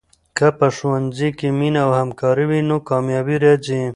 که په ښوونځي کې مینه او همکاري وي، نو کامیابي راځي.